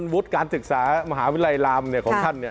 วุฒิการศึกษามหาวิทยาลัยรามของท่าน